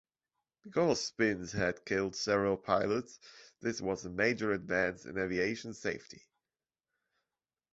Because spins had killed several pilots, this was a major advance in aviation safety.